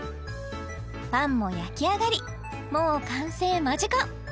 パンも焼き上がりもう完成間近